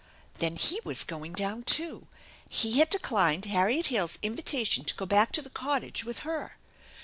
Then he was going down too ! He had declined Harriet Hale's invitation to go back to the cottage with her